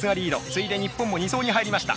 次いで日本も２走に入りました。